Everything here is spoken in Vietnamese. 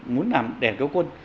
muốn làm đèn cao quân